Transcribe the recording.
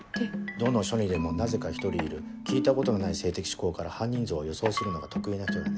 どの署にでもなぜか１人いる聞いたことのない性的嗜好から犯人像を予想するのが得意な人だね。